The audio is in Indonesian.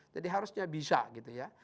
jadi harusnya bisa gitu ya